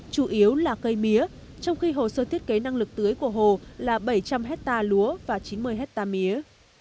chủ yếu là cây mía trong khi hồ sơ thiết kế năng lực tưới của hồ là bảy trăm linh hectare lúa và chín mươi hectare mía